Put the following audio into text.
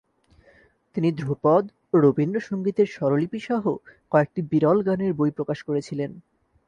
তিনি ধ্রুপদ ও রবীন্দ্রসঙ্গীতের স্বরলিপিসহ কয়েকটি বিরল গানের বই প্রকাশ করেছিলেন।